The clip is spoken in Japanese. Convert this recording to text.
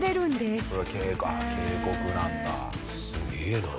すげえな。